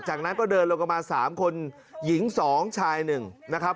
จากนั้นก็เดินลงกันมา๓คนหญิง๒ชาย๑นะครับ